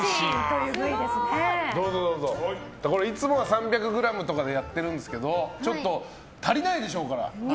いつもは３００ｇとかでやってるんですけどちょっと足りないでしょうから。